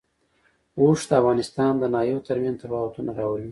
اوښ د افغانستان د ناحیو ترمنځ تفاوتونه راولي.